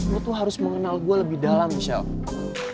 lo tuh harus mengenal gue lebih dalam michelle